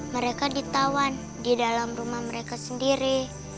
mereka ditawan di dalam rumah mereka sendiri